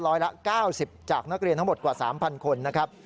ร้อยละ๙๐จากนักเรียนทั้งหมดกว่า๓๐๐คนนะครับ